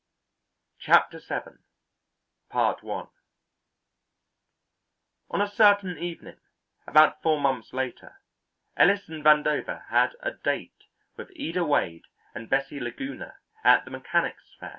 Chapter Seven On a certain evening about four months later Ellis and Vandover had a "date" with Ida Wade and Bessie Laguna at the Mechanics' Fair.